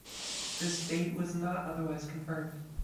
This date was not otherwise confirmed.